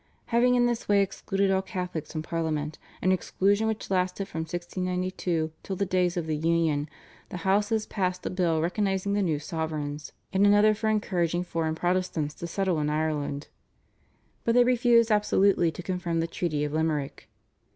Having in this way excluded all Catholics from Parliament, an exclusion which lasted from 1692 till the days of the Union, the Houses passed a bill recognising the new sovereigns, and another for encouraging foreign Protestants to settle in Ireland, but they refused absolutely to confirm the Treaty of Limerick.